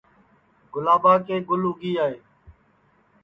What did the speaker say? گُلابا کے گُل اُگی گے